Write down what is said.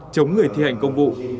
chống người thi hành công vụ